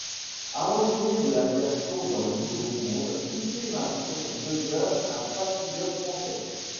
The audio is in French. Aventurier de l'aviation dans le Nouveau Monde, Didier Masson demeure un patriote français.